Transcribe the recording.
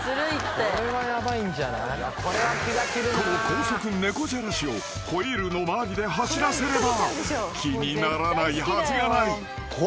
［この高速猫じゃらしをホイールの周りで走らせれば気にならないはずがない］